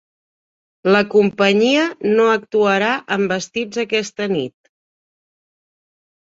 La companyia no actuarà amb vestits aquesta nit.